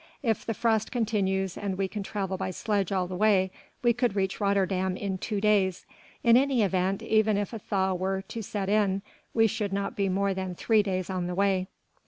If the frost continues and we can travel by sledge all the way we could reach Rotterdam in two days; in any event, even if a thaw were to set in we should not be more than three days on the way."